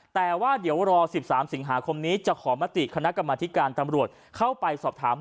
แต่ว่าเดี๋ยวรอ๑๓สิงหาคมนี้จะขอมติคณะกรรมธิการตำรวจเข้าไปสอบถาม